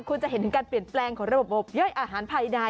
คุณจะเห็นถึงการเปลี่ยนแปลงของระบบย่อยอาหารภายใน